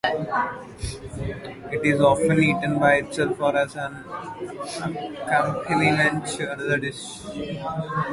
It is often eaten by itself or as an accompaniment to another dish.